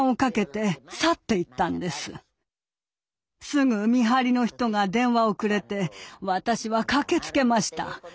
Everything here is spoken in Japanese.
すぐ見張りの人が電話をくれて私は駆けつけました。